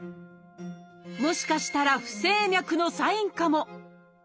もしかしたら「不整脈」のサインかも。